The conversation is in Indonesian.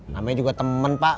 namanya juga temen pak